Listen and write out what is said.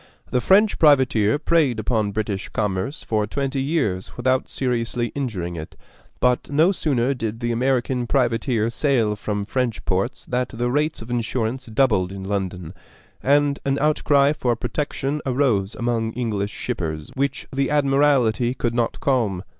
The French privateer preyed upon British commerce for twenty years without seriously injuring it; but no sooner did the American privateer sail from French ports than the rates of insurance doubled in London, and an outcry for protection arose among English shippers which the Admiralty could not calm.